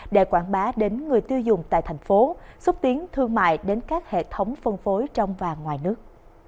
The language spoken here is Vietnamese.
để quảng bá đến người tiêu dùng tại thành phố xúc tiến thương mại đến các hệ thống phân phối trong và ngoài nước